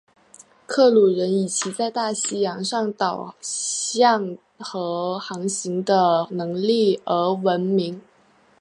克鲁人以其在大西洋上导向和航行的能力而闻名。